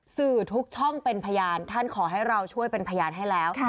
สื่อทุกช่องเป็นพยานท่านขอให้เราช่วยเป็นพยานให้แล้ว